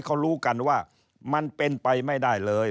เขารู้กันว่ามันเป็นไปไม่ได้เลย